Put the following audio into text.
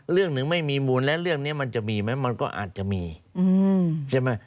เรื่องหนึ่งไม่มีมูลและเรื่องนี้มันจะมีไหมมันก็อาจจะมีใช่ไหม